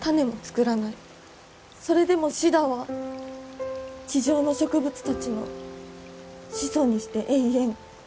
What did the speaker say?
それでもシダは地上の植物たちの始祖にして永遠。